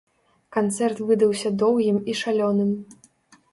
Канцэрт выдаўся доўгім і шалёным!